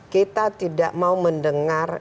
kita tidak mau mendengar